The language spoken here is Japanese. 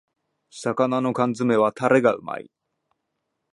魚の缶詰めはタレがうまい